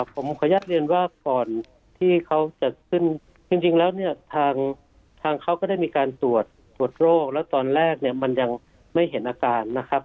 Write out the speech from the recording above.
ผมขออนุญาตเรียนว่าก่อนที่เขาจะขึ้นจริงแล้วเนี่ยทางเขาก็ได้มีการตรวจตรวจโรคแล้วตอนแรกเนี่ยมันยังไม่เห็นอาการนะครับ